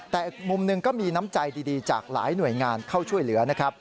แต่อีกมุมหนึ่งก็มีน้ำใจดีจากหลายหน่วยงานเข้าช่วยเหลือนะครับ